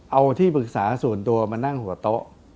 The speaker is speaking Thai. เอาที่ปรึกษาส่วนตัวมานั่งหัวโต๊ะ